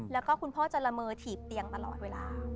แล้วก็คุณพ่อจะละเมอถีบเตียงตลอดเวลา